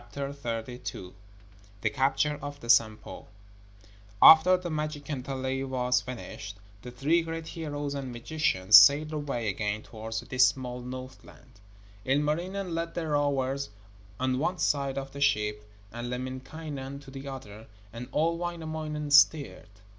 ] THE CAPTURE OF THE SAMPO After the magic kantele was finished, the three great heroes and magicians sailed away again towards the dismal Northland. Ilmarinen led the rowers on one side of the ship, and Lemminkainen on the other, and old Wainamoinen steered.